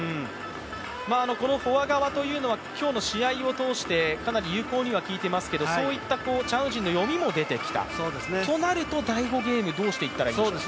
このフォア側というのは今日の試合を通してかなり有効には効いていますけどチャン・ウジンの読みも出てきたとなると第５ゲームどうしていったらいいですか？